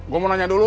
gue mau nanya dulu